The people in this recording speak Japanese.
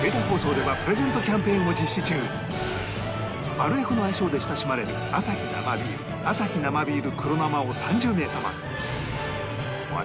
マルエフの愛称で親しまれるアサヒ生ビールアサヒ生ビール黒生を３０名様